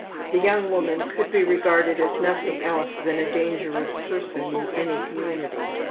The young woman could be regarded as nothing else than a dangerous person in any community.